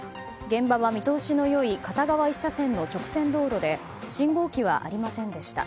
現場は見通しの良い片側１車線の直線道路で信号機はありませんでした。